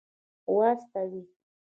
واستوي.